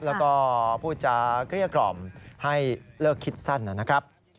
แล้วก็พูดจาเกลี้ยกล่อมให้เลิกคิดสั้นนะครับ